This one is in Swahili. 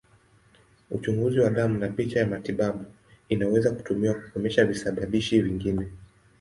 Uchunguzi wa damu na picha ya matibabu inaweza kutumiwa kukomesha visababishi vingine.